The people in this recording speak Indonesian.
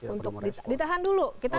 untuk ditahan dulu